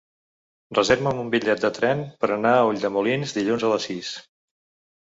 Reserva'm un bitllet de tren per anar a Ulldemolins dilluns a les sis.